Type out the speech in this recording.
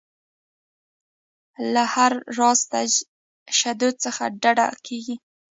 له هر راز تشدد څخه ډډه کیږي.